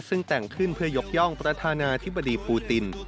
ซึ่งแต่งขึ้นเพื่อยกย่องประธานาธิบดีปูติน